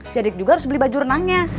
si adik juga harus beli baju renangnya